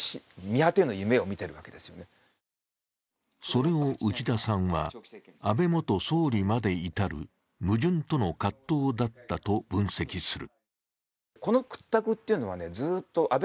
それを内田さんは、安倍元総理まで至る矛盾との葛藤だったと分析する。